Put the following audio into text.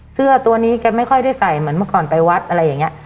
เสื้อตัวนี้แกไม่ค่อยได้ใส่เหมือนเมื่อก่อนไปวัดอะไรอย่างนี้